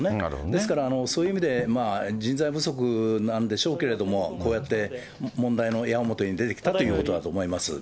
ですから、そういう意味で、人材不足なんでしょうけれども、こうやって問題の矢面に出てきたということだと思います。